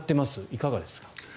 いかがですか？